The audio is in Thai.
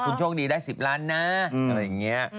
คุณโชคดีได้๑๐ล้านนะอะไรอย่างนี้